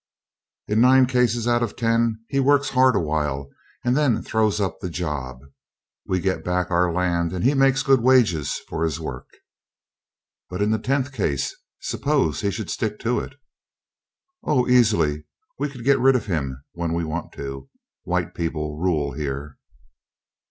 In nine cases out of ten he works hard a while and then throws up the job. We get back our land and he makes good wages for his work." "But in the tenth case suppose he should stick to it?" "Oh," easily, "we could get rid of him when we want to. White people rule here."